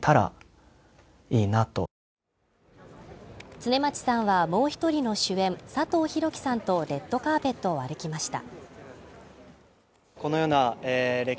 常間地さんはもう１人の主演サトウヒロキさんとレッドカーペットを歩きました。